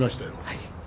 はい。